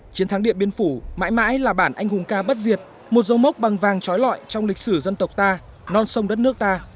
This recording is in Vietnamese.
chiến thắng điện biên phủ mãi mãi là bản anh hùng ca bất diệt một dấu mốc bằng vàng trói lọi trong lịch sử dân tộc ta non sông đất nước ta